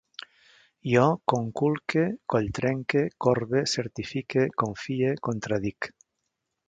Jo conculque, colltrenque, corbe, certifique, confie, contradic